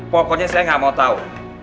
pokoknya saya nggak mau tahu